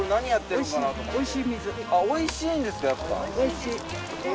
おいしいんですかやっぱ。